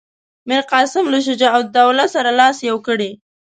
میرقاسم له شجاع الدوله سره لاس یو کړی.